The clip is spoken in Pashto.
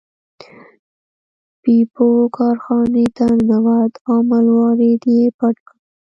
بیپو کارخانې ته ننوت او مروارید یې پټ کړ.